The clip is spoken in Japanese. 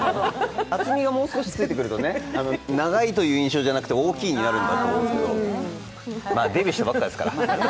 厚みがもう少しついてくると、長いという印象じゃなくて大きいになるんだと思うんですけど、まだデビューしたばっかりですから。